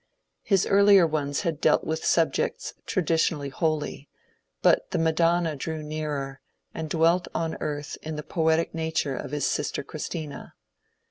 His earlier ones had dealt with subjects traditionally holy; but the Madonna drew nearer, and dwelt on earth in the poetic nature of his sister Christina.